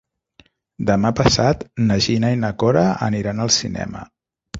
Demà passat na Gina i na Cora aniran al cinema.